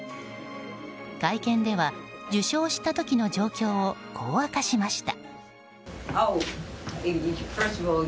会見では、受賞した時の状況をこう明かしました。